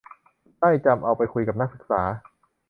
ได้จำเอาไปคุยกับนักศึกษา